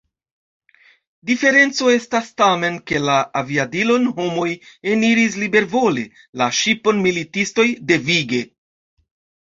Diferenco estas tamen, ke la aviadilon homoj eniris libervole, la ŝipon militistoj devige.